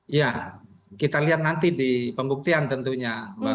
iya kita lihat nanti di pembuktian tentunya